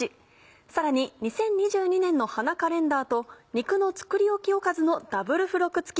さらに２０２２年の花カレンダーと肉の作りおきおかずのダブル付録付き。